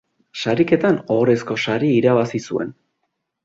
Sariketan Ohorezko saria irabazi zuen.